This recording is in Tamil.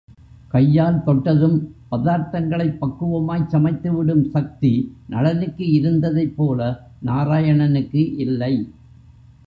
கையால் தொட்டதும் பதார்த்தங்களைப் பக்குவமாய்ச் சமைத்து விடும் சக்தி நளனுக்கு இருந்ததைப்போல, நாராயணனுக்கு இல்லை.